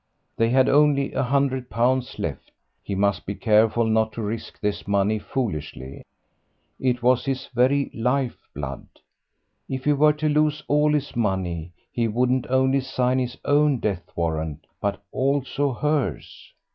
They had only a hundred pounds left; he must be careful not to risk this money foolishly it was his very life blood. If he were to lose all this money, he wouldn't only sign his own death warrant, but also hers.